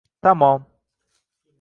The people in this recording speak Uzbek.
Tamom.